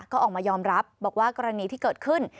ก็ออกมายอมรับบอกว่ากรณีที่เกิดขึ้น